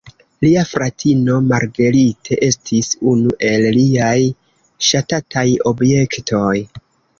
Lia fratino, Marguerite, estis unu el liaj ŝatataj objektoj.